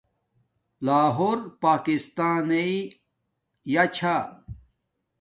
لاہور پاکستانݵ ہآ چھا